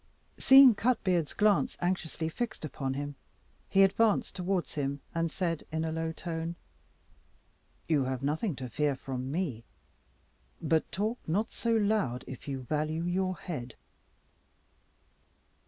Seeing Cutboard's glance anxiously fixed upon him, he advanced towards him, and said in a low tone "You have nothing to fear from me; but talk not so loud if you value your head."